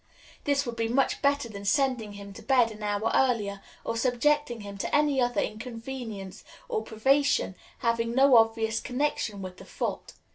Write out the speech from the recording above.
This would be much better than sending him to bed an hour earlier, or subjecting him to any other inconvenience or privation having no obvious connection with the fault.